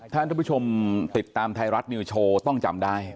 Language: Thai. ท่านผู้ชมติดตามไทยรัฐนิวโชว์ต้องจำได้